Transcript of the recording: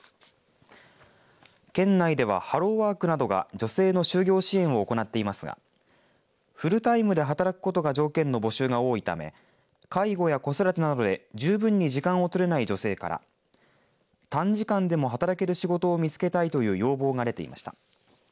県内では、ハローワークなどが女性の就業支援を行っていますがフルタイムで働くことが条件の募集が多いため介護や子育てなどで十分に時間を取れない女性から短時間でも働ける仕事を見つけたいという要望が出ていました。